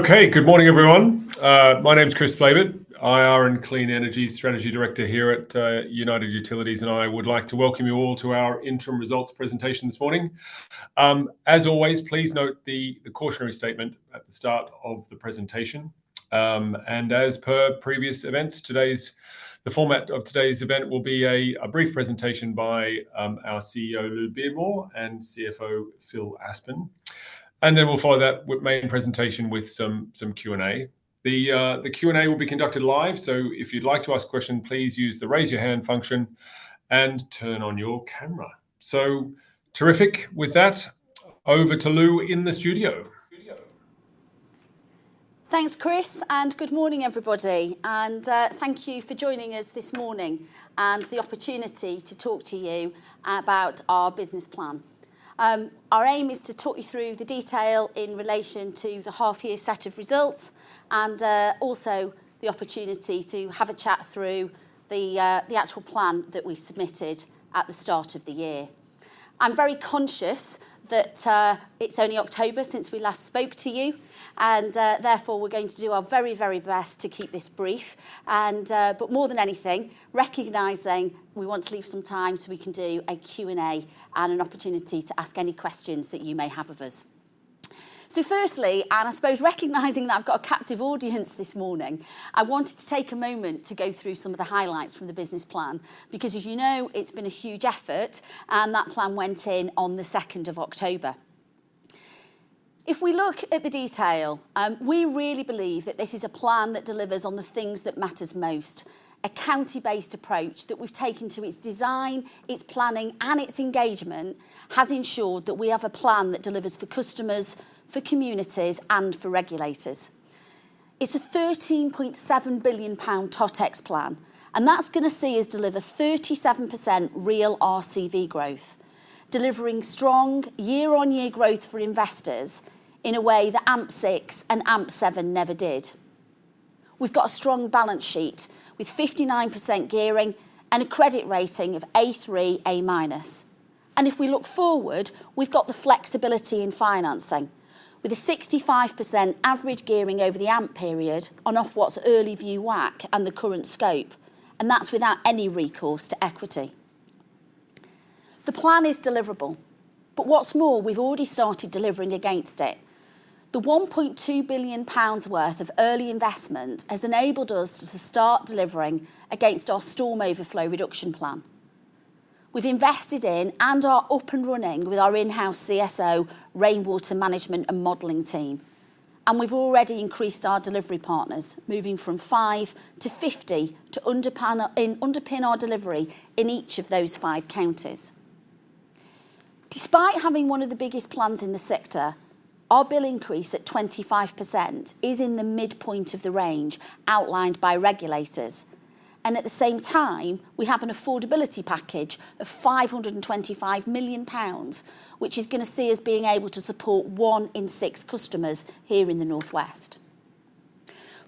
Okay, good morning, everyone. My name is Chris Laybutt, IR and Clean Energy Strategy Director here at United Utilities, and I would like to welcome you all to our interim results presentation this morning. As always, please note the cautionary statement at the start of the presentation. And as per previous events, today's format of today's event will be a brief presentation by our CEO, Louise Beardmore, and CFO, Phil Aspin. And then we'll follow that main presentation with some Q&A. The Q&A will be conducted live, so if you'd like to ask a question, please use the Raise Your Hand function and turn on your camera. So terrific. With that, over to Louise in the studio. Thanks, Chris, and good morning, everybody, and thank you for joining us this morning and the opportunity to talk to you about our business plan. Our aim is to talk you through the detail in relation to the half year set of results, and also the opportunity to have a chat through the actual plan that we submitted at the start of the year. I'm very conscious that it's only October since we last spoke to you, and therefore, we're going to do our very, very best to keep this brief. But more than anything, recognizing we want to leave some time so we can do a Q&A and an opportunity to ask any questions that you may have of us. So firstly, and I suppose recognizing that I've got a captive audience this morning, I wanted to take a moment to go through some of the highlights from the business plan, because, as you know, it's been a huge effort, and that plan went in on the second of October. If we look at the detail, we really believe that this is a plan that delivers on the things that matters most. A county-based approach that we've taken to its design, its planning, and its engagement, has ensured that we have a plan that delivers for customers, for communities, and for regulators. It's a 13.7 billion pound Totex plan, and that's gonna see us deliver 37% real RCV growth, delivering strong year-on-year growth for investors in a way that AMP6 and AMP7 never did. We've got a strong balance sheet, with 59% gearing and a credit rating of A3, A-. And if we look forward, we've got the flexibility in financing, with a 65% average gearing over the AMP period on Ofwat's early view WACC and the current scope, and that's without any recourse to equity. The plan is deliverable, but what's more, we've already started delivering against it. The 1.2 billion pounds worth of early investment has enabled us to start delivering against our storm overflow reduction plan. We've invested in and are up and running with our in-house CSO, rainwater management and modeling team, and we've already increased our delivery partners, moving from five to 50, to underpin our delivery in each of those five counties. Despite having one of the biggest plans in the sector, our bill increase at 25% is in the midpoint of the range outlined by regulators, and at the same time, we have an affordability package of 525 million pounds, which is gonna see us being able to support one in six customers here in the North West.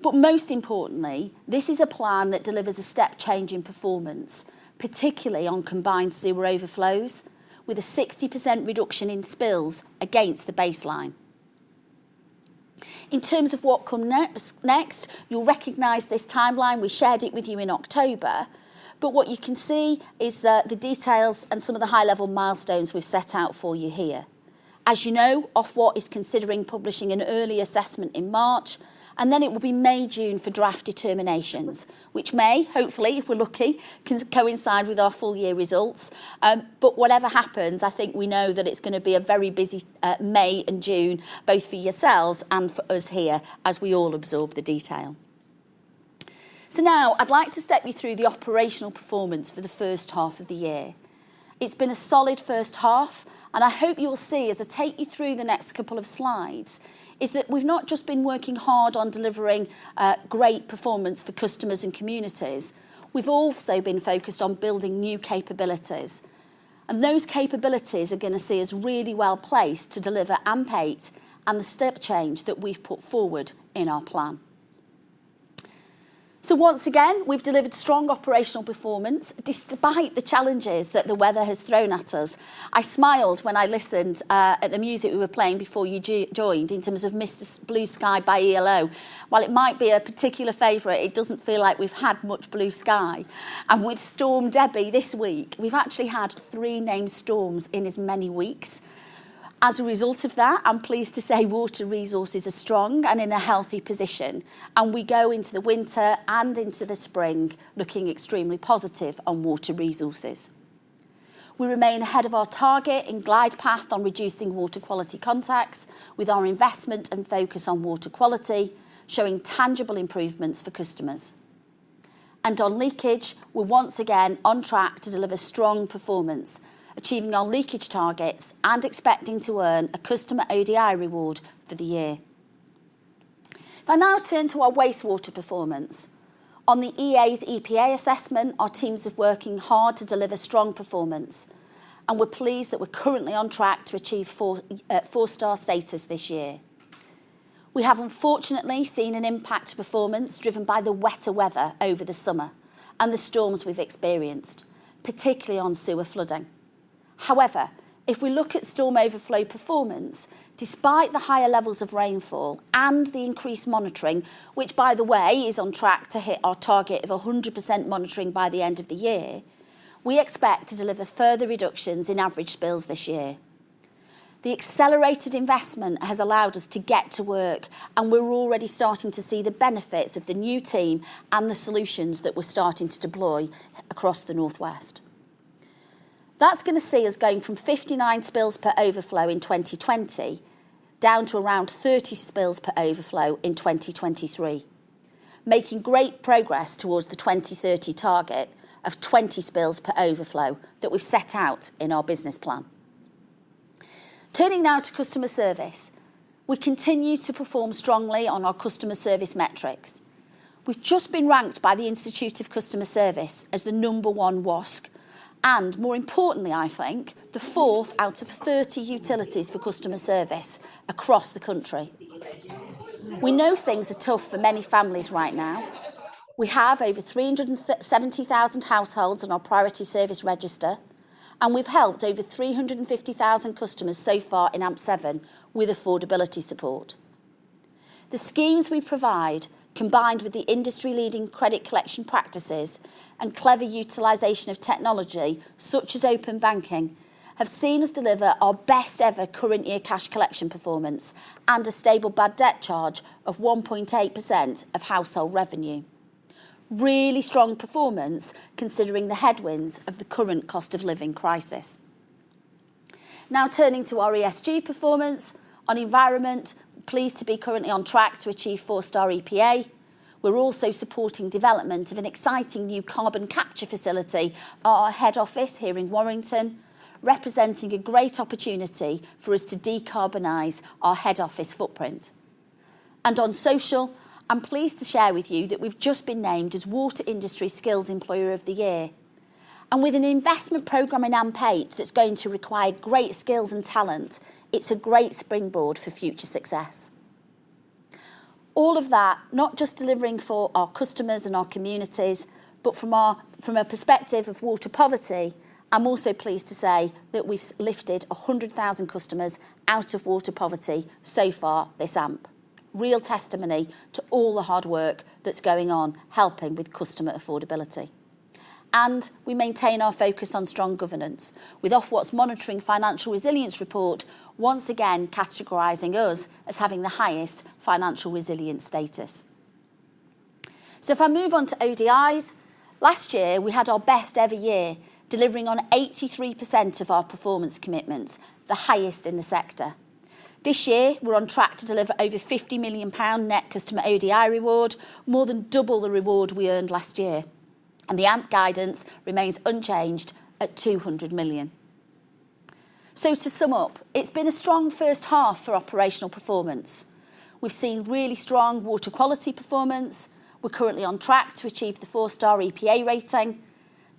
But most importantly, this is a plan that delivers a step change in performance, particularly on combined sewer overflows, with a 60% reduction in spills against the baseline. In terms of what comes next, you'll recognize this timeline. We shared it with you in October. But what you can see is the details and some of the high-level milestones we've set out for you here. As you know, Ofwat is considering publishing an early assessment in March, and then it will be May, June for draft determinations, which may, hopefully, if we're lucky, can coincide with our full year results. But whatever happens, I think we know that it's gonna be a very busy May and June, both for yourselves and for us here, as we all absorb the detail. So now I'd like to step you through the operational performance for the first half of the year. It's been a solid first half, and I hope you will see, as I take you through the next couple of slides, is that we've not just been working hard on delivering great performance for customers and communities, we've also been focused on building new capabilities. And those capabilities are gonna see us really well placed to deliver AMP8 and the step change that we've put forward in our plan. So once again, we've delivered strong operational performance despite the challenges that the weather has thrown at us. I smiled when I listened at the music we were playing before you joined in terms of Mr. Blue Sky by ELO. While it might be a particular favorite, it doesn't feel like we've had much blue sky. And with Storm Debi this week, we've actually had three named storms in as many weeks. As a result of that, I'm pleased to say water resources are strong and in a healthy position, and we go into the winter and into the spring looking extremely positive on water resources. We remain ahead of our target and glide path on reducing water quality contacts, with our investment and focus on water quality, showing tangible improvements for customers. On leakage, we're once again on track to deliver strong performance, achieving our leakage targets and expecting to earn a customer ODI reward for the year. If I now turn to our wastewater performance, on the EA's EPA assessment, our teams are working hard to deliver strong performance, and we're pleased that we're currently on track to achieve four-star status this year. We have unfortunately seen an impact performance driven by the wetter weather over the summer and the storms we've experienced, particularly on sewer flooding. However, if we look at storm overflow performance, despite the higher levels of rainfall and the increased monitoring, which by the way, is on track to hit our target of 100% monitoring by the end of the year, we expect to deliver further reductions in average spills this year. The accelerated investment has allowed us to get to work, and we're already starting to see the benefits of the new team and the solutions that we're starting to deploy across the North West. That's gonna see us going from 59 spills per overflow in 2020, down to around 30 spills per overflow in 2023, making great progress towards the 2030 target of 20 spills per overflow that we've set out in our business plan. Turning now to customer service, we continue to perform strongly on our customer service metrics. We've just been ranked by the Institute of Customer Service as the number 1 WASC, and more importantly, I think, the 4th out of 30 utilities for customer service across the country. We know things are tough for many families right now. We have over 370,000 households on our Priority Services register, and we've helped over 350,000 customers so far in AMP7 with affordability support. The schemes we provide, combined with the industry-leading credit collection practices and clever utilization of technology, such as open banking, have seen us deliver our best ever current year cash collection performance and a stable bad debt charge of 1.8% of household revenue. Really strong performance, considering the headwinds of the current cost of living crisis. Now, turning to our ESG performance. On environment, pleased to be currently on track to achieve four-star EPA. We're also supporting development of an exciting new carbon capture facility at our head office here in Warrington, representing a great opportunity for us to decarbonize our head office footprint. And on social, I'm pleased to share with you that we've just been named as Water Industry Skills Employer of the Year. And with an investment program in AMP8 that's going to require great skills and talent, it's a great springboard for future success. All of that, not just delivering for our customers and our communities, but from a perspective of water poverty, I'm also pleased to say that we've lifted 100,000 customers out of water poverty so far this AMP. Real testimony to all the hard work that's going on, helping with customer affordability. We maintain our focus on strong governance, with Ofwat's Monitoring Financial Resilience report once again categorizing us as having the highest financial resilience status. If I move on to ODIs, last year, we had our best ever year, delivering on 83% of our performance commitments, the highest in the sector. This year, we're on track to deliver over 50 million pound net customer ODI reward, more than double the reward we earned last year, and the AMP guidance remains unchanged at 200 million. To sum up, it's been a strong first half for operational performance. We've seen really strong water quality performance. We're currently on track to achieve the 4-star EPA rating.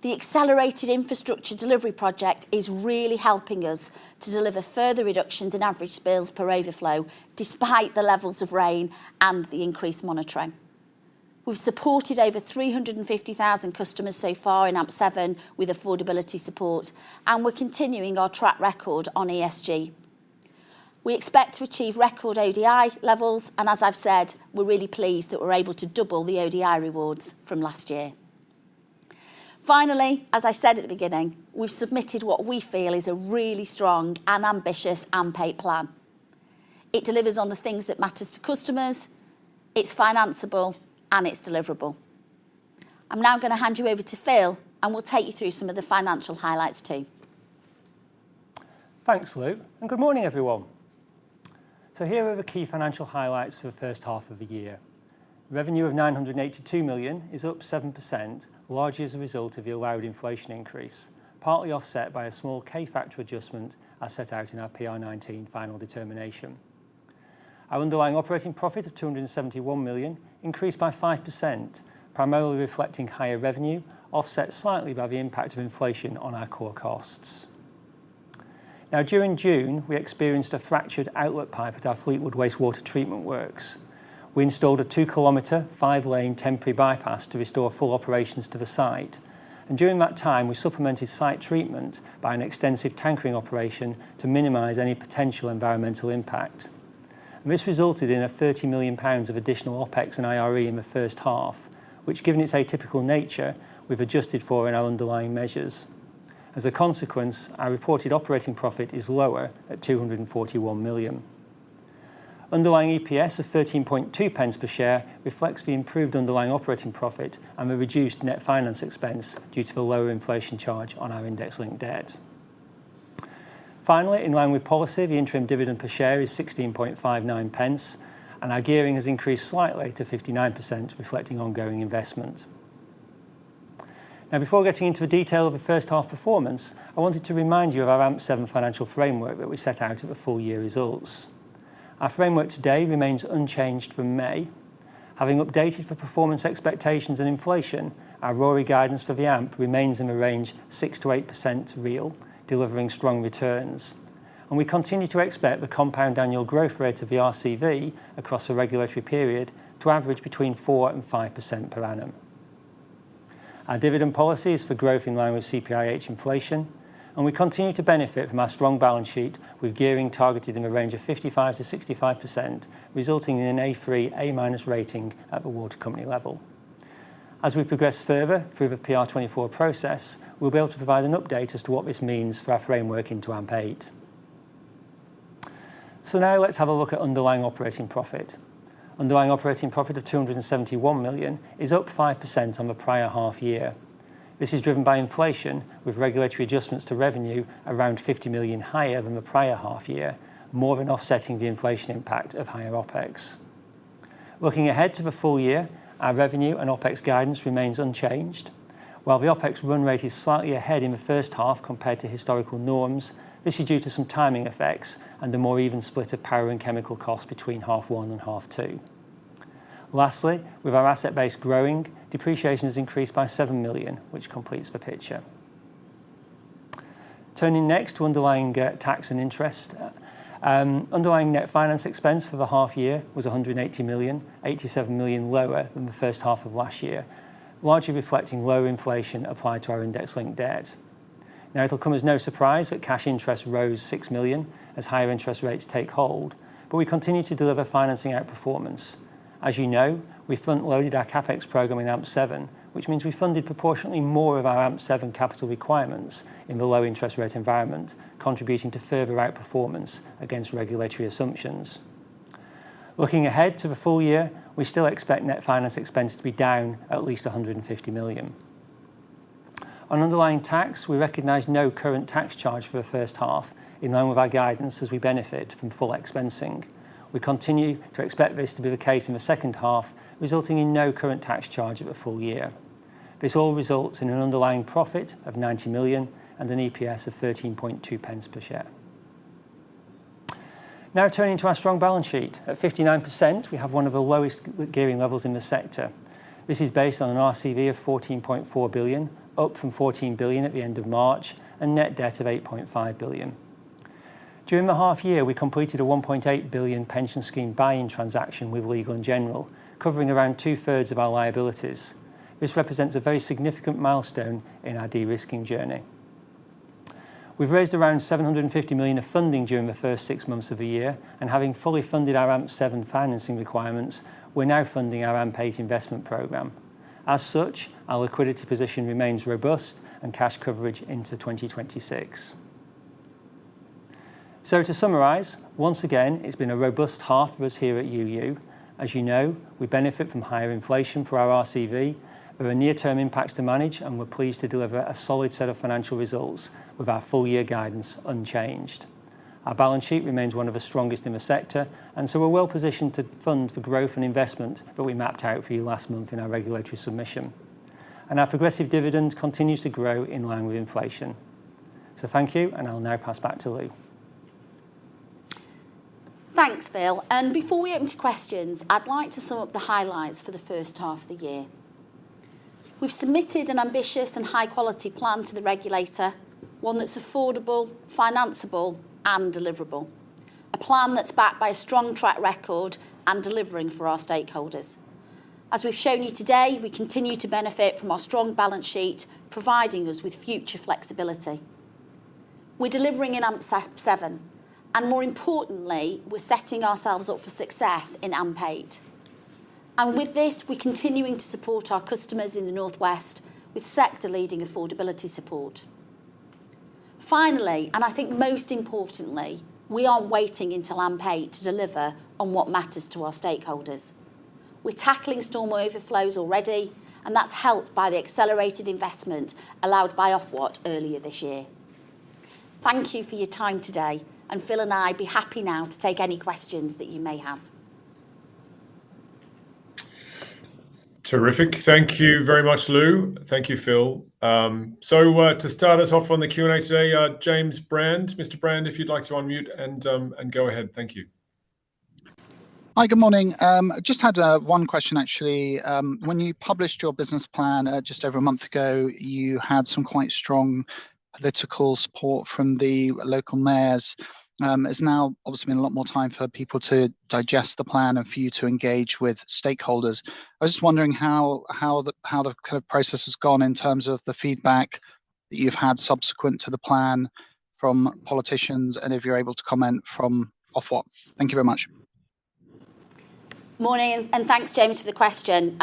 The Accelerated Infrastructure Delivery project is really helping us to deliver further reductions in average spills per overflow, despite the levels of rain and the increased monitoring. We've supported over 350,000 customers so far in AMP7 with affordability support, and we're continuing our track record on ESG. We expect to achieve record ODI levels, and as I've said, we're really pleased that we're able to double the ODI rewards from last year. Finally, as I said at the beginning, we've submitted what we feel is a really strong and ambitious AMP8 plan. It delivers on the things that matters to customers, it's financeable, and it's deliverable. I'm now gonna hand you over to Phil, and we'll take you through some of the financial highlights, too. Thanks, Lou, and good morning, everyone. So here are the key financial highlights for the first half of the year. Revenue of 982 million is up 7%, largely as a result of the allowed inflation increase, partly offset by a small K factor adjustment, as set out in our PR19 final determination. Our underlying operating profit of 271 million increased by 5%, primarily reflecting higher revenue, offset slightly by the impact of inflation on our core costs. Now, during June, we experienced a fractured outlet pipe at our Fleetwood Wastewater Treatment Works. We installed a 2-kilometer, 5-lane temporary bypass to restore full operations to the site, and during that time, we supplemented site treatment by an extensive tankering operation to minimize any potential environmental impact. This resulted in 30 million pounds of additional OpEx and IRE in the first half, which, given its atypical nature, we've adjusted for in our underlying measures. As a consequence, our reported operating profit is lower at 241 million. Underlying EPS of 13.2 pence per share reflects the improved underlying operating profit and the reduced net finance expense due to the lower inflation charge on our index-linked debt. Finally, in line with policy, the interim dividend per share is 16.59 pence, and our gearing has increased slightly to 59%, reflecting ongoing investment. Now, before getting into the detail of the first half performance, I wanted to remind you of our AMP7 financial framework that we set out at the full-year results. Our framework today remains unchanged from May. Having updated the performance expectations and inflation, our RoRE guidance for the AMP remains in the range 6%-8% real, delivering strong returns. We continue to expect the compound annual growth rate of the RCV across the regulatory period to average between 4% and 5% per annum. Our dividend policy is for growth in line with CPIH inflation, and we continue to benefit from our strong balance sheet, with gearing targeted in the range of 55%-65%, resulting in an A3/A- rating at the water company level. As we progress further through the PR24 process, we'll be able to provide an update as to what this means for our framework into AMP8. Now let's have a look at underlying operating profit. Underlying operating profit of 271 million is up 5% on the prior half year. This is driven by inflation, with regulatory adjustments to revenue around 50 million higher than the prior half year, more than offsetting the inflation impact of higher OpEx. Looking ahead to the full year, our revenue and OpEx guidance remains unchanged. While the OpEx run rate is slightly ahead in the first half compared to historical norms, this is due to some timing effects and the more even split of power and chemical costs between half one and half two. Lastly, with our asset base growing, depreciation has increased by 7 million, which completes the picture. Turning next to underlying tax and interest. Underlying net finance expense for the half year was 180 million, 87 million lower than the first half of last year, largely reflecting lower inflation applied to our index-linked debt. Now, it'll come as no surprise that cash interest rose 6 million as higher interest rates take hold, but we continue to deliver financing outperformance. As you know, we front-loaded our CapEx program in AMP7, which means we funded proportionately more of our AMP7 capital requirements in the low interest rate environment, contributing to further outperformance against regulatory assumptions. Looking ahead to the full year, we still expect net finance expense to be down at least 150 million. On underlying tax, we recognize no current tax charge for the first half, in line with our guidance as we benefit from full expensing. We continue to expect this to be the case in the second half, resulting in no current tax charge of the full year. This all results in an underlying profit of 90 million and an EPS of 13.2 pence per share. Now, turning to our strong balance sheet. At 59%, we have one of the lowest gearing levels in the sector. This is based on an RCV of 14.4 billion, up from 14 billion at the end of March, and net debt of 8.5 billion. During the half year, we completed a 1.8 billion pension scheme buy-in transaction with Legal & General, covering around two-thirds of our liabilities. This represents a very significant milestone in our de-risking journey. We've raised around 750 million of funding during the first six months of the year, and having fully funded our AMP7 financing requirements, we're now funding our AMP8 investment programme. As such, our liquidity position remains robust and cash coverage into 2026. So to summarise, once again, it's been a robust half for us here at UU. As you know, we benefit from higher inflation for our RCV. There are near-term impacts to manage, and we're pleased to deliver a solid set of financial results with our full year guidance unchanged. Our balance sheet remains one of the strongest in the sector, and so we're well positioned to fund the growth and investment that we mapped out for you last month in our regulatory submission. Our progressive dividend continues to grow in line with inflation. Thank you, and I'll now pass back to Lou. Thanks, Phil. Before we open to questions, I'd like to sum up the highlights for the first half of the year. We've submitted an ambitious and high-quality plan to the regulator, one that's affordable, financiable, and deliverable, a plan that's backed by a strong track record and delivering for our stakeholders. As we've shown you today, we continue to benefit from our strong balance sheet, providing us with future flexibility. We're delivering in AMP7, and more importantly, we're setting ourselves up for success in AMP8. With this, we're continuing to support our customers in the Northwest with sector-leading affordability support. Finally, and I think most importantly, we aren't waiting until AMP eight to deliver on what matters to our stakeholders. We're tackling storm overflows already, and that's helped by the accelerated investment allowed by Ofwat earlier this year. Thank you for your time today, and Phil and I would be happy now to take any questions that you may have. Terrific. Thank you very much, Lou. Thank you, Phil. So, to start us off on the Q&A today, James Brand. Mr Brand, if you'd like to unmute and go ahead. Thank you. Hi, good morning. Just had one question, actually. When you published your business plan, just over a month ago, you had some quite strong political support from the local mayors. It's now obviously been a lot more time for people to digest the plan and for you to engage with stakeholders. I was just wondering how, how the, how the kind of process has gone in terms of the feedback that you've had subsequent to the plan from politicians and if you're able to comment from Ofwat? Thank you very much. Morning, and thanks, James, for the question.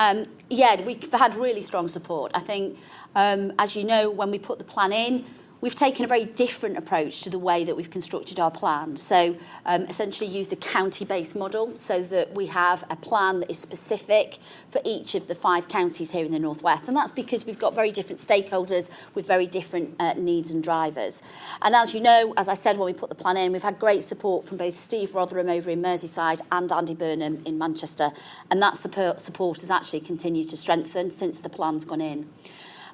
Yeah, we've had really strong support. I think, as you know, when we put the plan in, we've taken a very different approach to the way that we've constructed our plan. So, essentially used a county-based model so that we have a plan that is specific for each of the five counties here in the northwest, and that's because we've got very different stakeholders with very different, needs and drivers. And as you know, as I said, when we put the plan in, we've had great support from both Steve Rotheram over in Merseyside and Andy Burnham in Manchester, and that support, support has actually continued to strengthen since the plan's gone in.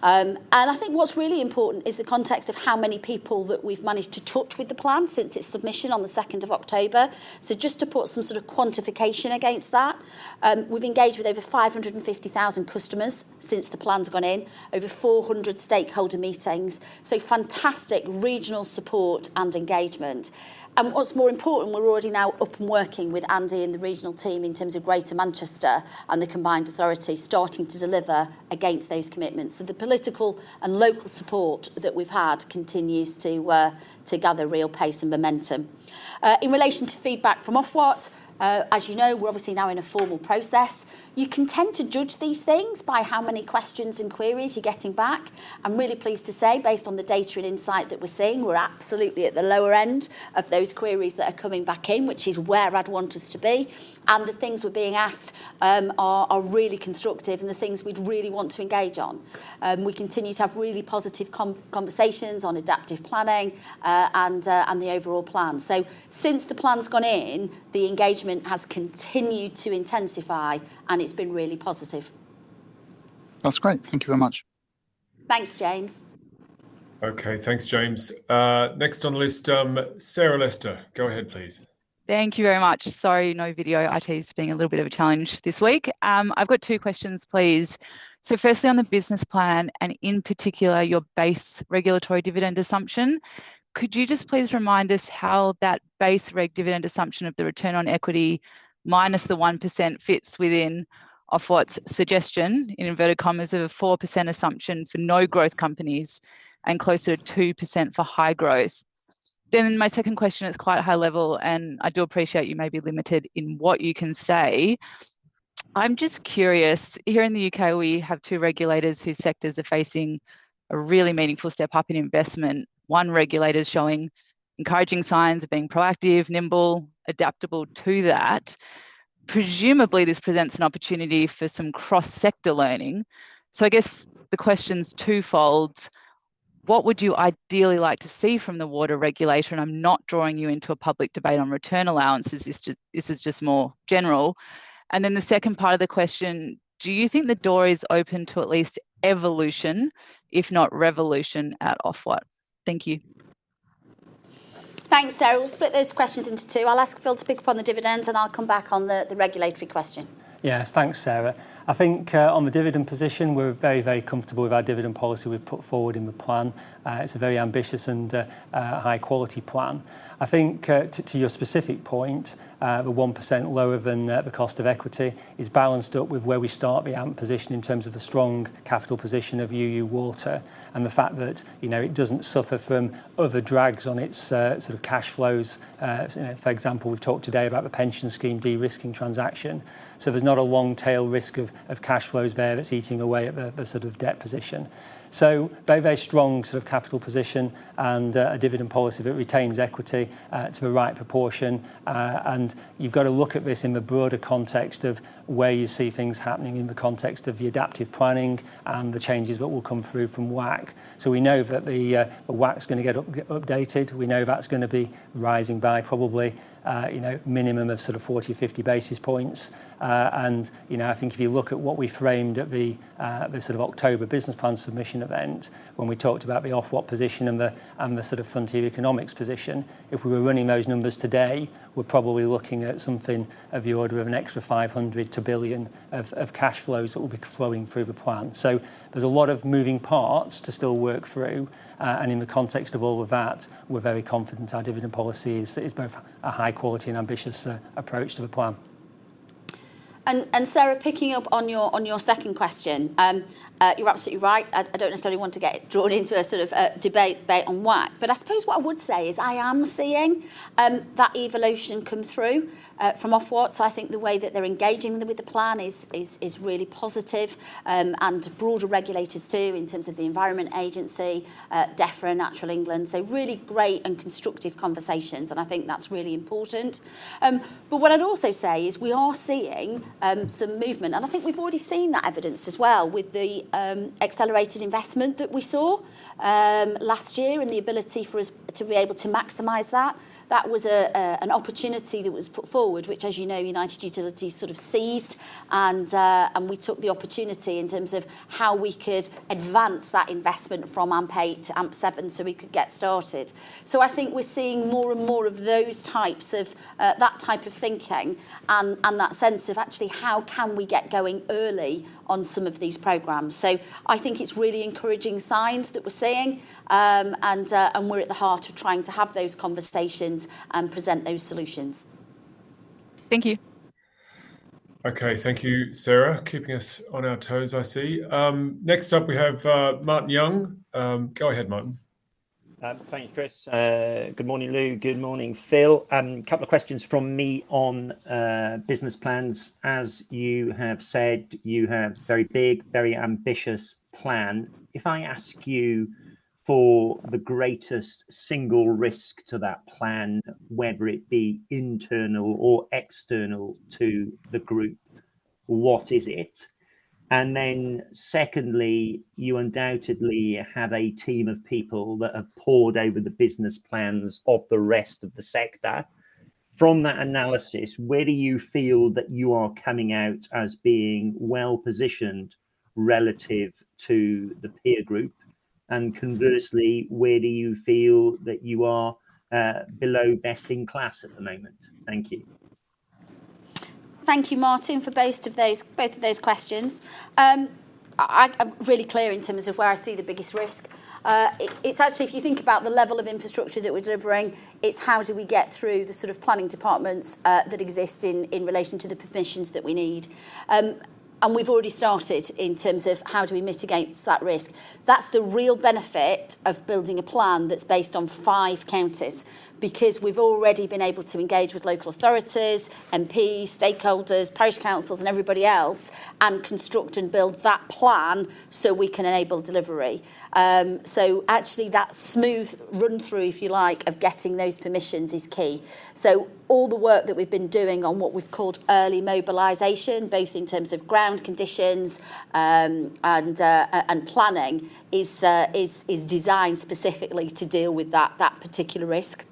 And I think what's really important is the context of how many people that we've managed to touch with the plan since its submission on the second of October. So just to put some sort of quantification against that, we've engaged with over 550,000 customers since the plan's gone in, over 400 stakeholder meetings, so fantastic regional support and engagement. And what's more important, we're already now up and working with Andy and the regional team in terms of Greater Manchester and the combined authority, starting to deliver against those commitments. So the political and local support that we've had continues to to gather real pace and momentum. In relation to feedback from Ofwat, as you know, we're obviously now in a formal process. You can tend to judge these things by how many questions and queries you're getting back. I'm really pleased to say, based on the data and insight that we're seeing, we're absolutely at the lower end of those queries that are coming back in, which is where I'd want us to be, and the things we're being asked are really constructive and the things we'd really want to engage on. We continue to have really positive conversations on adaptive planning and the overall plan. So since the plan's gone in, the engagement has continued to intensify, and it's been really positive.... That's great. Thank you very much. Thanks, James. Okay. Thanks, James. Next on the list, Sarah Lester, go ahead, please. Thank you very much. Sorry, no video. IT is being al ittle bit of a challenge this week. I've got two questions, please. So firstly, on the business plan, and in particular, your base regulatory dividend assumption, could you just please remind us how that base reg dividend assumption of the return on equity minus the 1% fits within Ofwat's suggestion, in inverted commas, of a 4% assumption for no growth companies and closer to 2% for high growth? Then my second question is quite high level, and I do appreciate you may be limited in what you can say. I'm just curious, here in the U.K., we have two regulators whose sectors are facing a really meaningful step-up in investment. One regulator's showing encouraging signs of being proactive, nimble, adaptable to that. Presumably, this presents an opportunity for some cross-sector learning. So I guess the question's twofold. What would you ideally like to see from the water regulator? And I'm not drawing you into a public debate on return allowances, this is just more general. And then the second part of the question, do you think the door is open to at least evolution, if not revolution, at Ofwat? Thank you. Thanks, Sarah. We'll split those questions into two. I'll ask Phil to pick up on the dividends, and I'll come back on the regulatory question. Yes. Thanks, Sarah. I think, on the dividend position, we're very, very comfortable with our dividend policy we've put forward in the plan. It's a very ambitious and, a high-quality plan. I think, to, to your specific point, the 1% lower than, the cost of equity is balanced up with where we start the AMP position in terms of the strong capital position of UU Water, and the fact that, you know, it doesn't suffer from other drags on its, sort of cash flows. For example, we've talked today about the pension scheme de-risking transaction. So there's not a long-tail risk of, of cash flows there that's eating away at the, the sort of debt position. So very, very strong sort of capital position and, a dividend policy that retains equity, to the right proportion. And you've got to look at this in the broader context of where you see things happening in the context of the adaptive planning and the changes that will come through from WACC. So we know that the WACC's gonna get updated. We know that's gonna be rising by probably, you know, minimum of sort of 40-50 basis points. And, you know, I think if you look at what we framed at the October business plan submission event, when we talked about the Ofwat position and the Frontier Economics position, if we were running those numbers today, we're probably looking at something of the order of an extra 500 million to 1 billion of cash flows that will be flowing through the plan. So there's a lot of moving parts to still work through, and in the context of all of that, we're very confident our dividend policy is both a high quality and ambitious approach to the plan. Sarah, picking up on your second question, you're absolutely right. I don't necessarily want to get drawn into a sort of debate on WACC. But I suppose what I would say is, I am seeing that evolution come through from Ofwat. So I think the way that they're engaging with the plan is really positive, and broader regulators, too, in terms of the Environment Agency, DEFRA, Natural England. So really great and constructive conversations, and I think that's really important. But what I'd also say is, we are seeing some movement, and I think we've already seen that evidenced as well with the accelerated investment that we saw last year and the ability for us to be able to maximize that. That was an opportunity that was put forward, which, as you know, United Utilities sort of seized. And we took the opportunity in terms of how we could advance that investment from AMP8 to AMP7, so we could get started. So I think we're seeing more and more of those types of that type of thinking and that sense of actually how can we get going early on some of these programs. So I think it's really encouraging signs that we're seeing, and we're at the heart of trying to have those conversations and present those solutions. Thank you. Okay. Thank you, Sarah. Keeping us on our toes, I see. Next up, we have Martin Young. Go ahead, Martin. Thank you, Chris. Good morning, Lou. Good morning, Phil. A couple of questions from me on business plans. As you have said, you have a very big, very ambitious plan. If I ask you for the greatest single risk to that plan, whether it be internal or external to the group, what is it? And then secondly, you undoubtedly have a team of people that have pored over the business plans of the rest of the sector. From that analysis, where do you feel that you are coming out as being well-positioned relative to the peer group? And conversely, where do you feel that you are below best in class at the moment? Thank you. Thank you, Martin, for both of those, both of those questions. I'm really clear in terms of where I see the biggest risk. It's actually, if you think about the level of infrastructure that we're delivering, it's how do we get through the sort of planning departments that exist in relation to the permissions that we need. And we've already started in terms of how do we mitigate that risk. That's the real benefit of building a plan that's based on five counties, because we've already been able to engage with local authorities, MPs, stakeholders, parish councils, and everybody else, and construct and build that plan so we can enable delivery. So actually, that smooth run-through, if you like, of getting those permissions is key. So all the work that we've been doing on what we've called early mobilization, both in terms of ground conditions, and planning, is designed specifically to deal with that particular risk.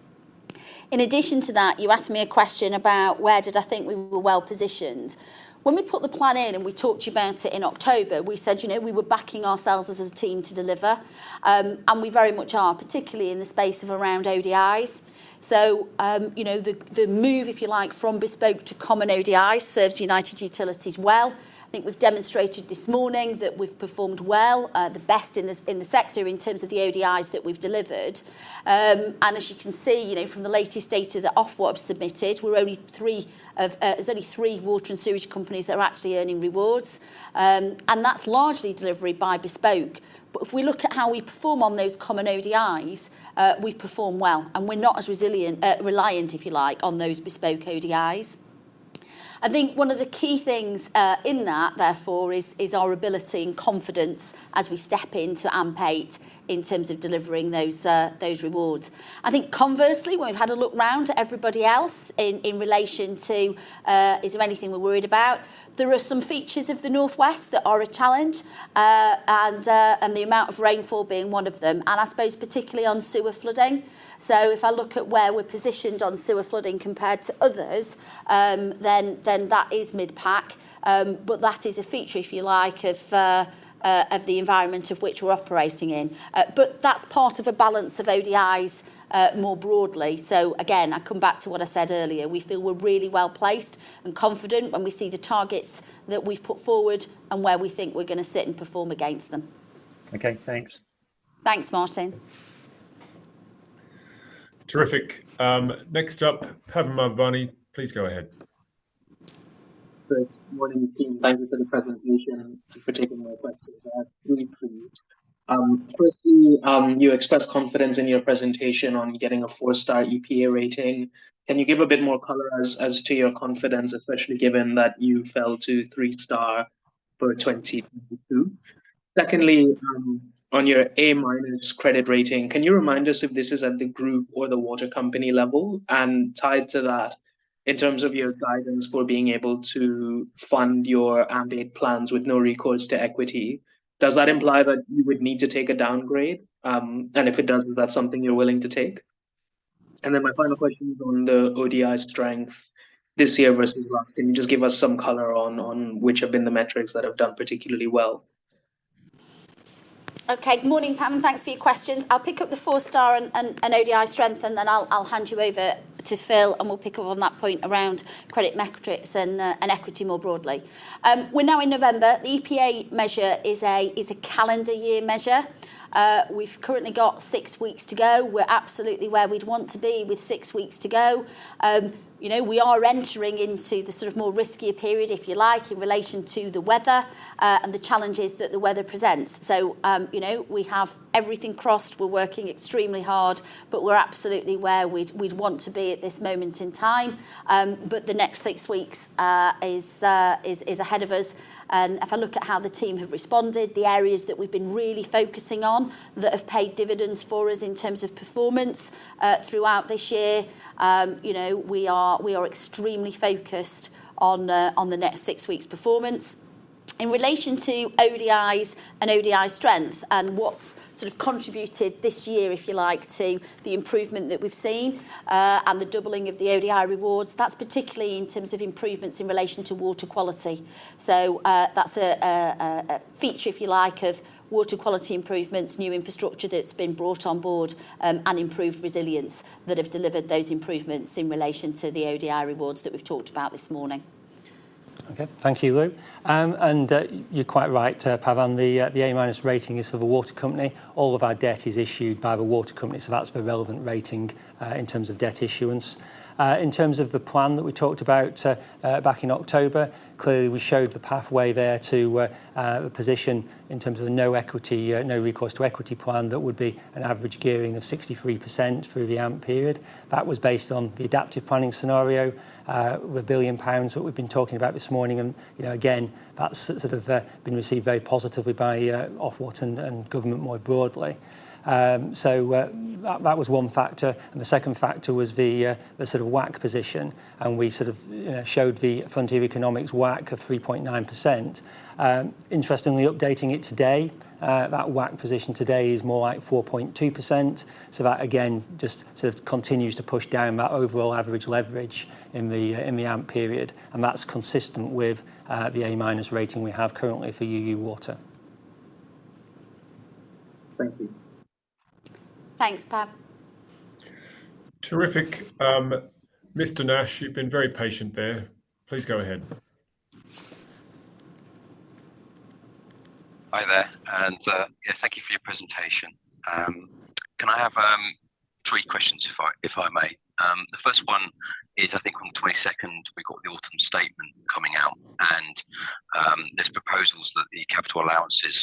In addition to that, you asked me a question about where did I think we were well-positioned? When we put the plan in, and we talked to you about it in October, we said, you know, we were backing ourselves as a team to deliver. And we very much are, particularly in the space of around ODIs. So, you know, the move, if you like, from bespoke to common ODI serves United Utilities well. I think we've demonstrated this morning that we've performed well, the best in the sector in terms of the ODIs that we've delivered. And as you can see, you know, from the latest data that Ofwat have submitted, we're only three of. There's only three water and sewage companies that are actually earning rewards. That's largely delivery by bespoke. But if we look at how we perform on those common ODIs, we perform well, and we're not as resilient, reliant, if you like, on those bespoke ODIs. I think one of the key things, therefore, is our ability and confidence as we step into AMP8 in terms of delivering those rewards. I think conversely, when we've had a look round to everybody else in relation to, is there anything we're worried about? There are some features of the North West that are a challenge, and the amount of rainfall being one of them, and I suppose particularly on sewer flooding. So if I look at where we're positioned on sewer flooding compared to others, then that is mid-pack. But that is a feature, if you like, of the environment of which we're operating in. But that's part of a balance of ODIs, more broadly. So again, I come back to what I said earlier, we feel we're really well-placed and confident when we see the targets that we've put forward and where we think we're gonna sit and perform against them. Okay, thanks. Thanks, Martin. Terrific. Next up, Pavan Mayavaram. Please go ahead. Good morning, team. Thank you for the presentation and for taking my questions. I have three for you. Firstly, you expressed confidence in your presentation on getting a four-star EPA rating. Can you give a bit more color as to your confidence, especially given that you fell to three-star for 2022? Secondly, on your A- credit rating, can you remind us if this is at the group or the water company level? And tied to that, in terms of your guidance for being able to fund your AMP8 plans with no recourse to equity, does that imply that you would need to take a downgrade? And if it does, is that something you're willing to take? And then my final question is on the ODI strength this year versus last. Can you just give us some color on which have been the metrics that have done particularly well? Okay. Good morning, Pavan. Thanks for your questions. I'll pick up the four-star and ODI strength, and then I'll hand you over to Phil, and we'll pick up on that point around credit metrics and equity more broadly. We're now in November. The EPA measure is a calendar year measure. We've currently got six weeks to go. We're absolutely where we'd want to be with six weeks to go. You know, we are entering into the sort of more riskier period, if you like, in relation to the weather and the challenges that the weather presents. So, you know, we have everything crossed. We're working extremely hard, but we're absolutely where we'd want to be at this moment in time. But the next six weeks is ahead of us. If I look at how the team have responded, the areas that we've been really focusing on, that have paid dividends for us in terms of performance, throughout this year, you know, we are extremely focused on the next six weeks' performance. In relation to ODIs and ODI strength and what's sort of contributed this year, if you like, to the improvement that we've seen, and the doubling of the ODI rewards, that's particularly in terms of improvements in relation to water quality. So, that's a feature, if you like, of water quality improvements, new infrastructure that's been brought on board, and improved resilience that have delivered those improvements in relation to the ODI rewards that we've talked about this morning. Okay. Thank you, Lou. And, you're quite right, Pavan. The, the A-minus rating is for the water company. All of our debt is issued by the water company, so that's the relevant rating, in terms of debt issuance. In terms of the plan that we talked about, back in October, clearly, we showed the pathway there to a, a position in terms of a no equity, no recourse to equity plan that would be an average gearing of 63% through the AMP period. That was based on the adaptive planning scenario, the 1 billion pounds that we've been talking about this morning, and, you know, again, that's sort of, been received very positively by, Ofwat and, and government more broadly. So, that was one factor, and the second factor was the sort of WACC position, and we sort of showed the Frontier Economics WACC of 3.9%. Interestingly, updating it today, that WACC position today is more like 4.2%. So that, again, just sort of continues to push down that overall average leverage in the AMP period, and that's consistent with the A-minus rating we have currently for UU Water. Thank you. Thanks, Pavan. Terrific. Mr Nash, you've been very patient there. Please go ahead. Hi there, and yeah, thank you for your presentation. Can I have three questions if I may? The first one is, I think on the twenty-second, we've got the Autumn Statement coming out, and there's proposals that the capital allowances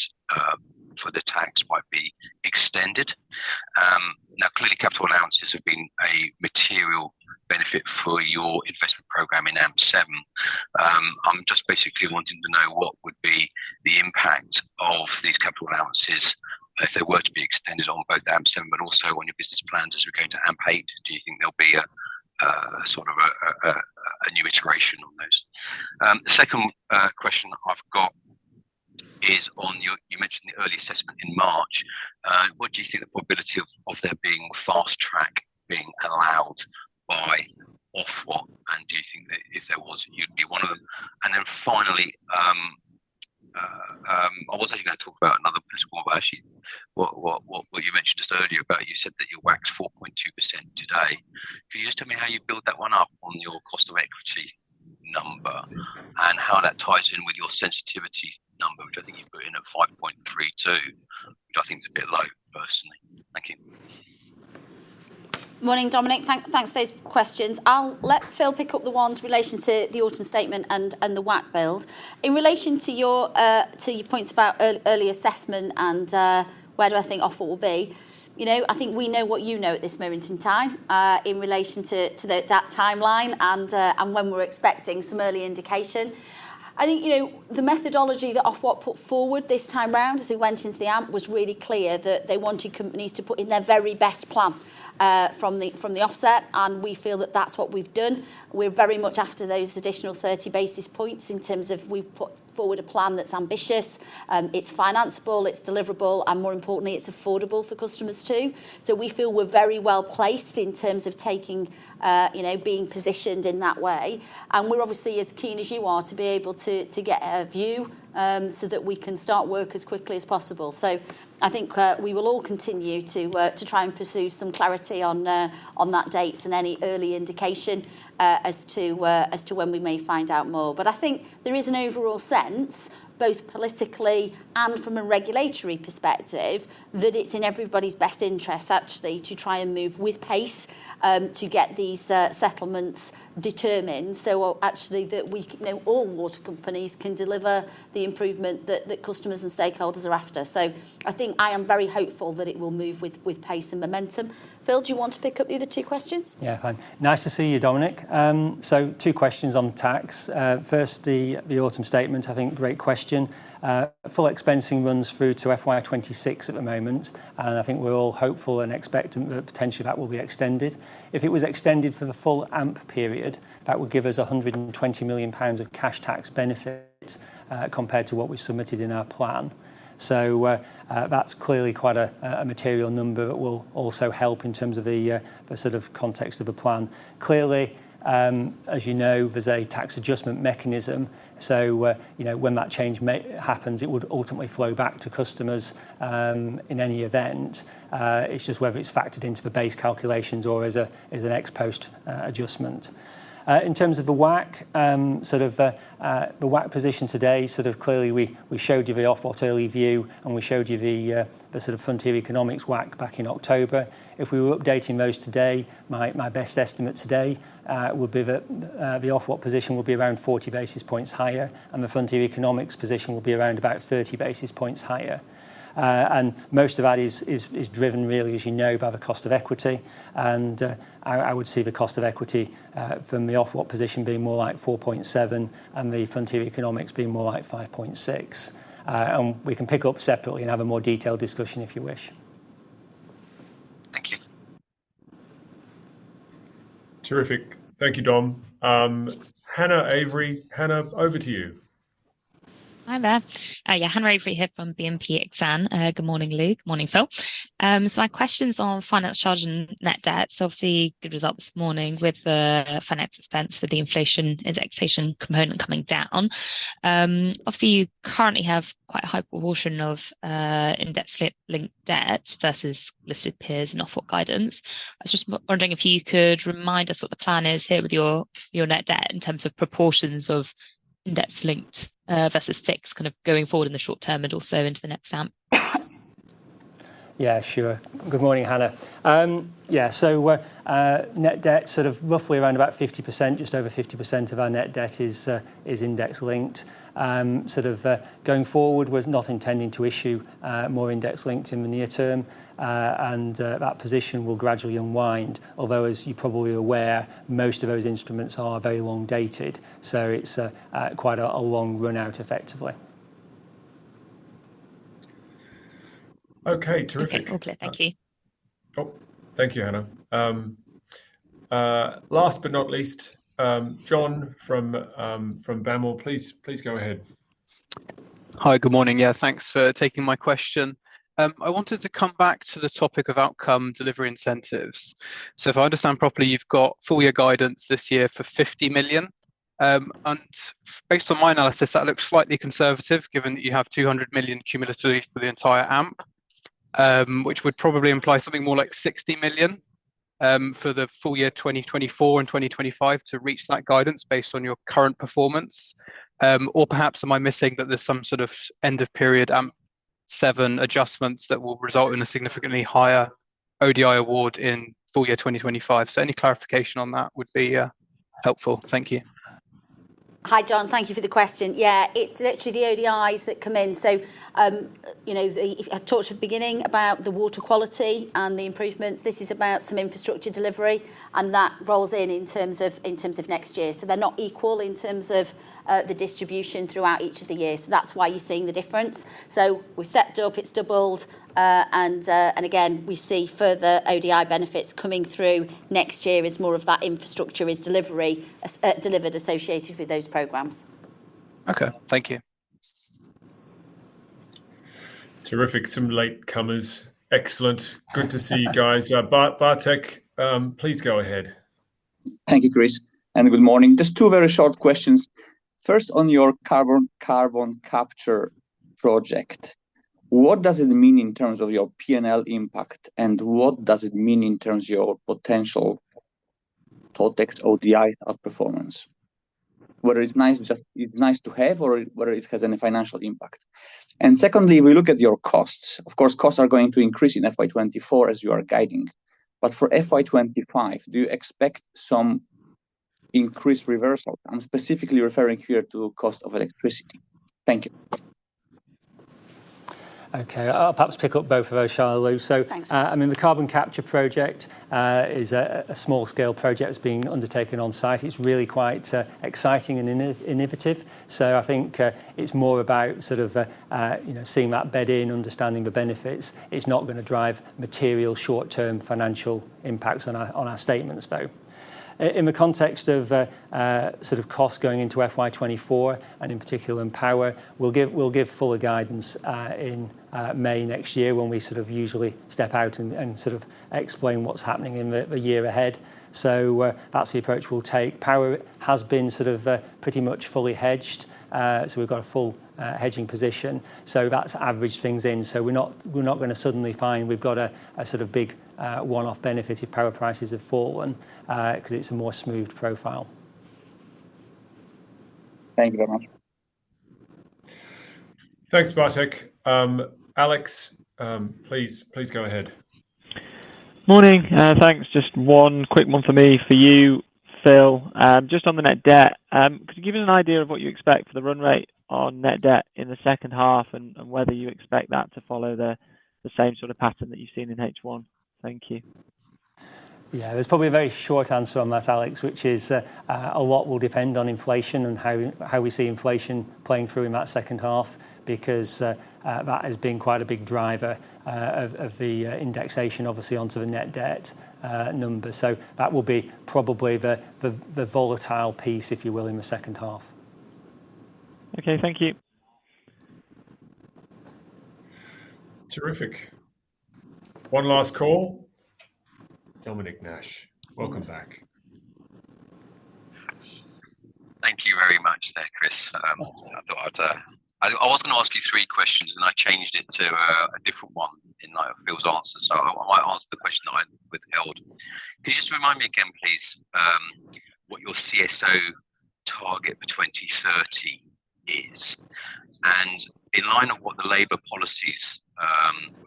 for the tax might be extended. Now, clearly, capital allowances have been a material benefit for your investment program in AMP7. I'm just basically wanting to know what would be the impact of these capital allowances if they were to be extended on both AMP7 but also on your business plans as we go into AMP8. Do you think there'll be a sort of new iteration on those? The second question—what do you see the probability of there being fast track being allowed by Ofwat? Do you think that if there was, you'd be one of them? Then finally, I was only gonna talk about another principle, but actually, what you mentioned just earlier about, you said that you WACCed 4.2% today. Could you just tell me how you built that one up on your cost of equity number, and how that ties in with your sensitivity number, which I think you put in at 5.32, which I think is a bit low, personally. Thank you. Morning, Dominic. Thanks for those questions. I'll let Phil pick up the ones in relation to the Autumn Statement and the WACC build. In relation to your points about early assessment and where do I think Ofwat will be? You know, I think we know what you know at this moment in time in relation to that timeline and when we're expecting some early indication. I think, you know, the methodology that Ofwat put forward this time round, as we went into the AMP, was really clear that they wanted companies to put in their very best plan from the offset, and we feel that that's what we've done. We're very much after those additional 30 basis points in terms of we've put forward a plan that's ambitious, it's financeable, it's deliverable, and more importantly, it's affordable for customers, too. So we feel we're very well placed in terms of taking, you know, being positioned in that way, and we're obviously as keen as you are to be able to, to get a view, so that we can start work as quickly as possible. So I think, we will all continue to, to try and pursue some clarity on, on that date and any early indication, as to, as to when we may find out more. But I think there is an overall sense, both politically and from a regulatory perspective, that it's in everybody's best interest actually to try and move with pace to get these settlements determined, so actually that we can... you know, all water companies can deliver the improvement that customers and stakeholders are after. So I think I am very hopeful that it will move with pace and momentum. Phil, do you want to pick up the other two questions? Yeah, fine. Nice to see you, Dominic. So two questions on tax. First, the Autumn Statement, I think great question. Full expensing runs through to FY 2026 at the moment, and I think we're all hopeful and expectant that potentially that will be extended. If it was extended for the full AMP period, that would give us 120 million pounds of cash tax benefit, compared to what we submitted in our plan. So, that's clearly quite a material number that will also help in terms of the sort of context of the plan. Clearly, as you know, there's a tax adjustment mechanism, so, you know, when that change may happens, it would ultimately flow back to customers. In any event, it's just whether it's factored into the base calculations or as an ex-post adjustment. In terms of the WACC, sort of, the WACC position today, sort of clearly, we showed you the Ofwat early view, and we showed you the sort of Frontier Economics WACC back in October. If we were updating those today, my best estimate today would be that the Ofwat position would be around 40 basis points higher, and the Frontier Economics position would be around about 30 basis points higher. And most of that is driven really, as you know, by the cost of equity, and I would see the cost of equity from the Ofwat position being more like 4.7 and the Frontier Economics being more like 5.6. And we can pick up separately and have a more detailed discussion if you wish. Thank you. Terrific. Thank you, Dom. Hannah Sherwood. Hannah, over to you. Hi there. Yeah, Hannah Sherwood here from BNP Paribas. Good morning, Louise. Morning, Phil. So my questions on finance charge and net debt. So obviously, good result this morning with the finance expense for the inflation and taxation component coming down. Obviously, you currently have quite a high proportion of index-linked debt versus listed peers and Ofwat guidance. I was just wondering if you could remind us what the plan is here with your net debt in terms of proportions of index-linked versus fixed, kind of going forward in the short term and also into the next AMP? Yeah, sure. Good morning, Hannah. Yeah, so, net debt, sort of roughly around about 50%, just over 50% of our net debt is index-linked. Sort of, going forward, we're not intending to issue more index-linked in the near term, and that position will gradually unwind. Although, as you're probably aware, most of those instruments are very long dated, so it's quite a long run out, effectively. Okay, terrific. Okay, all clear. Thank you. Cool. Thank you, Hannah. Last but not least, John fromIP Morgan, please go ahead. Hi, good morning. Yeah, thanks for taking my question. I wanted to come back to the topic of outcome delivery incentives. So if I understand properly, you've got full year guidance this year for 50 million. And based on my analysis, that looks slightly conservative, given that you have 200 million cumulatively for the entire AMP, which would probably imply something more like 60 million, for the full year 2024 and 2025 to reach that guidance based on your current performance. Or perhaps am I missing that there's some sort of end-of-period AMP7 adjustments that will result in a significantly higher ODI award in full year 2025? So any clarification on that would be helpful. Thank you. Hi, John. Thank you for the question. Yeah, it's literally the ODIs that come in. So, you know, the... I talked at the beginning about the water quality and the improvements. This is about some infrastructure delivery, and that rolls in, in terms of, in terms of next year. So they're not equal in terms of, the distribution throughout each of the years. That's why you're seeing the difference. So we've stepped up, it's doubled, and, and again, we see further ODI benefits coming through next year as more of that infrastructure is delivery, delivered associated with those programs.... Okay. Thank you. Terrific. Some late comers. Excellent. Good to see you guys. Bartek, please go ahead. Thank you, Chris, and good morning. Just two very short questions. First, on your carbon, carbon capture project, what does it mean in terms of your PNL impact, and what does it mean in terms of your potential Totex ODI outperformance? Whether it's nice just- it's nice to have, or whether it has any financial impact. And secondly, we look at your costs. Of course, costs are going to increase in FY 2024, as you are guiding. But for FY 2025, do you expect some increased reversal? I'm specifically referring here to cost of electricity. Thank you. Okay, I'll perhaps pick up both of those,. Thanks. I mean, the carbon capture project is a small scale project that's being undertaken on site. It's really quite exciting and innovative. So I think it's more about sort of you know, seeing that bed in, understanding the benefits. It's not gonna drive material short-term financial impact on our statements, though. In the context of sort of cost going into FY 2024, and in particular in power, we'll give fuller guidance in May next year, when we sort of usually step out and sort of explain what's happening in the year ahead. So that's the approach we'll take. Power has been sort of pretty much fully hedged. So we've got a full hedging position, so that's averaged things in. So we're not, we're not gonna suddenly find we've got a sort of big one-off benefit if power prices have fallen, 'cause it's a more smoothed profile. Thank you very much. Thanks, Bartek. Alex, please, please go ahead. Morning, thanks. Just one quick one for me, for you, Phil. Just on the net debt, could you give us an idea of what you expect for the run rate on net debt in the second half, and whether you expect that to follow the same sort of pattern that you've seen in H1? Thank you. Yeah, there's probably a very short answer on that, Alex, which is, a lot will depend on inflation and how we see inflation playing through in that second half, because that has been quite a big driver of the indexation, obviously, onto the net debt number. So that will be probably the volatile piece, if you will, in the second half. Okay, thank you. Terrific. One last call. Dominic Nash, welcome back. Thank you very much there, Chris. I thought I'd... I was gonna ask you three questions, and I changed it to a different one in light of Phil's answer, so I might ask the question I withheld. Can you just remind me again, please, what your CSO target for 2030 is? And in line of what the Labour policies,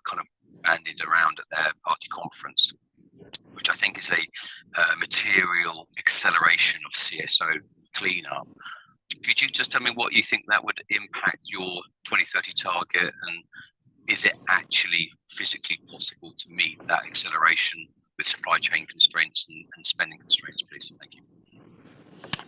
kind of bandied around at their party conference, which I think is a material acceleration of CSO cleanup, could you just tell me what you think that would impact your 2030 target, and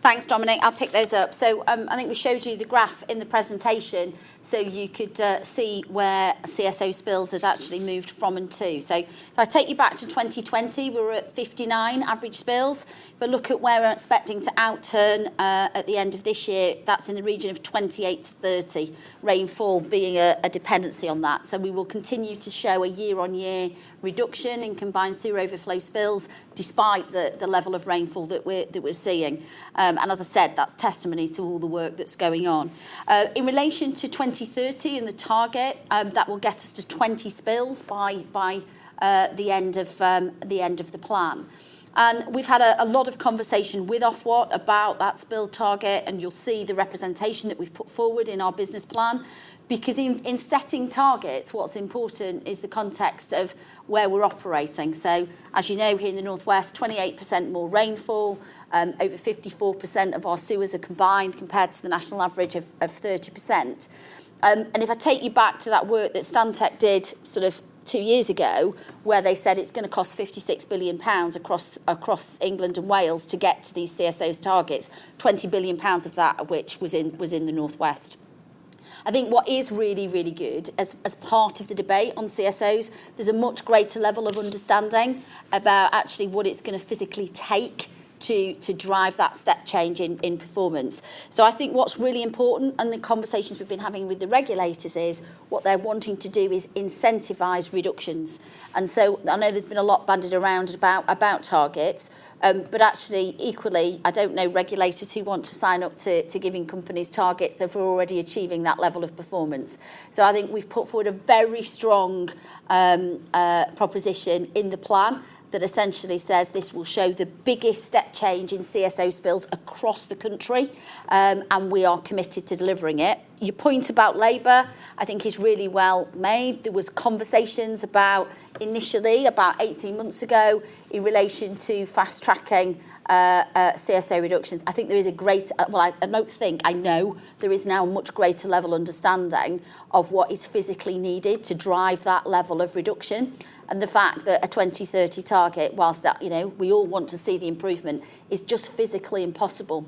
is it actually physically possible to meet that acceleration with supply chain constraints and spending constraints, please? Thank you. Thanks, Dominic. I'll pick those up. So, I think we showed you the graph in the presentation, so you could see where CSO spills had actually moved from and to. So if I take you back to 2020, we were at 59 average spills, but look at where we're expecting to outturn at the end of this year. That's in the region of 28-30, rainfall being a dependency on that. So we will continue to show a year-on-year reduction in combined sewer overflow spills, despite the level of rainfall that we're seeing. And as I said, that's testimony to all the work that's going on. In relation to 2030 and the target, that will get us to 20 spills by the end of the plan. And we've had a lot of conversation with Ofwat about that spill target, and you'll see the representation that we've put forward in our business plan. Because in setting targets, what's important is the context of where we're operating. So as you know, here in the North West, 28% more rainfall, over 54% of our sewers are combined, compared to the national average of 30%. And if I take you back to that work that Stantec did sort of two years ago, where they said it's gonna cost 56 billion pounds across England and Wales to get to these CSOs targets, 20 billion pounds of that, which was in the North West. I think what is really, really good, as, as part of the debate on CSOs, there's a much greater level of understanding about actually what it's gonna physically take to, to drive that step change in, in performance. So I think what's really important, and the conversations we've been having with the regulators is, what they're wanting to do is incentivize reductions. And so I know there's been a lot bandied around about, about targets, but actually, equally, I don't know regulators who want to sign up to, to giving companies targets if we're already achieving that level of performance. So I think we've put forward a very strong proposition in the plan, that essentially says this will show the biggest step change in CSO spills across the country, and we are committed to delivering it. Your point about labour, I think is really well made. There was conversations about, initially, about 18 months ago, in relation to fast-tracking CSO reductions. I know there is now a much greater level of understanding of what is physically needed to drive that level of reduction, and the fact that a 2030 target, whilst that, you know, we all want to see the improvement, is just physically impossible...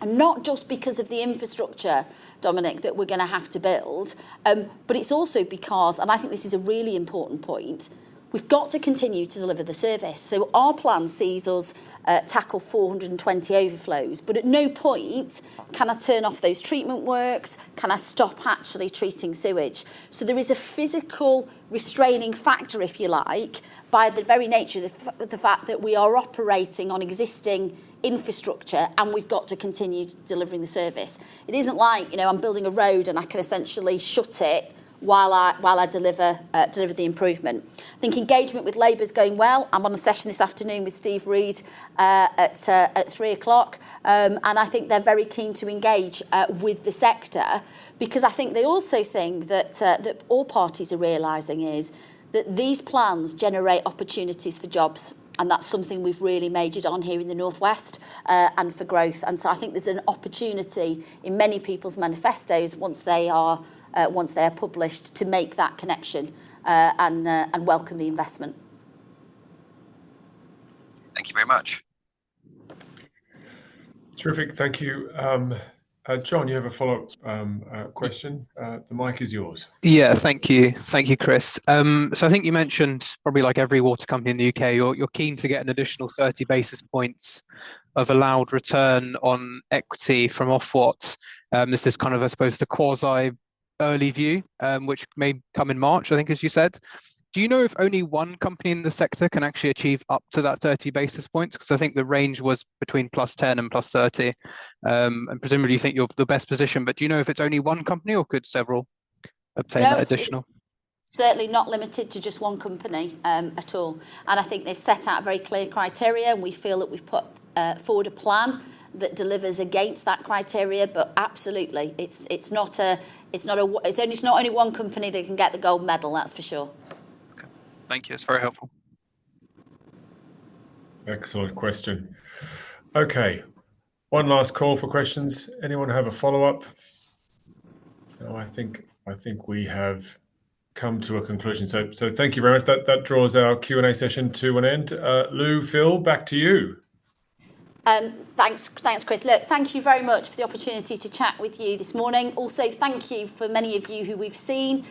and not just because of the infrastructure, Dominic, that we're gonna have to build, but it's also because, and I think this is a really important point, we've got to continue to deliver the service. So our plan sees us tackle 420 overflows, but at no point can I turn off those treatment works, can I stop actually treating sewage. So there is a physical restraining factor, if you like, by the very nature of the fact that we are operating on existing infrastructure, and we've got to continue delivering the service. It isn't like, you know, I'm building a road, and I can essentially shut it while I, while I deliver the improvement. I think engagement with Labour is going well. I'm on a session this afternoon with Steve Reed at 3:00 P.M., and I think they're very keen to engage with the sector because I think they also think that that all parties are realizing is that these plans generate opportunities for jobs, and that's something we've really majored on here in the North West, and for growth. And so I think there's an opportunity in many people's manifestos once they are, once they're published, to make that connection, and, and welcome the investment. Thank you very much. Terrific, thank you. John, you have a follow-up question? The mic is yours. Yeah. Thank you. Thank you, Chris. So I think you mentioned probably like every water company in the UK, you're, you're keen to get an additional 30 basis points of allowed return on equity from Ofwat. This is kind of, I suppose, the quasi early view, which may come in March, I think, as you said. Do you know if only one company in the sector can actually achieve up to that 30 basis points? 'Cause I think the range was between +10 and +30. And presumably, you think you're the best position, but do you know if it's only one company, or could several obtain that additional? No, it's certainly not limited to just one company at all, and I think they've set out a very clear criteria, and we feel that we've put forward a plan that delivers against that criteria. But absolutely, it's not only one company that can get the gold medal, that's for sure. Okay. Thank you. It's very helpful. Excellent question. Okay, one last call for questions. Anyone have a follow-up? No, I think we have come to a conclusion. So thank you very much. That draws our Q&A session to an end. Lou, Phil, back to you. Thanks. Thanks, Chris. Look, thank you very much for the opportunity to chat with you this morning. Also, thank you for many of you who we've seen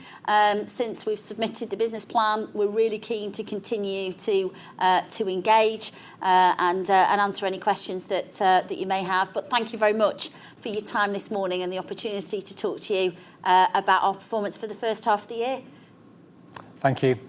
since we've submitted the business plan. We're really keen to continue to to engage and and answer any questions that that you may have. But thank you very much for your time this morning and the opportunity to talk to you about our performance for the first half of the year. Thank you.